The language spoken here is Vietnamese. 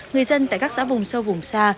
người dân tại các xã vùng sâu vùng xa